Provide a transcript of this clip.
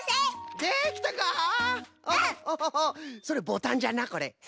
それボタンじゃなこれ。